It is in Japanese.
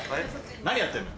何やってるの？